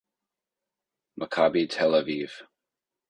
Maccabi Tel Aviv